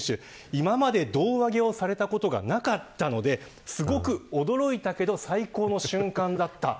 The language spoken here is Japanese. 今まで胴上げされたことがなかったのですごく驚いたけど最高の瞬間だった。